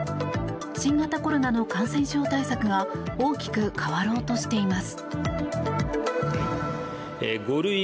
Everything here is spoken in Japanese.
新型コロナの感染症対策が大きく変わろうとしています。